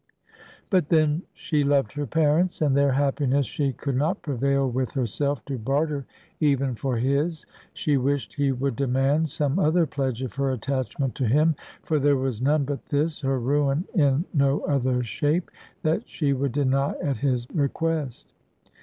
But then she loved her parents, and their happiness she could not prevail with herself to barter even for his. She wished he would demand some other pledge of her attachment to him; for there was none but this, her ruin in no other shape, that she would deny at his request.